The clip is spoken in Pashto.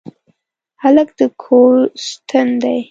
هلک د کور ستن دی.